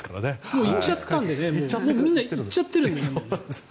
もう行っちゃってるからねみんな行っちゃってるもんね。